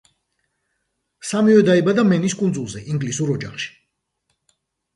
სამივე დაიბადა მენის კუნძულზე, ინგლისურ ოჯახში.